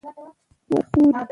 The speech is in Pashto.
افغانستان په چنګلونه غني دی.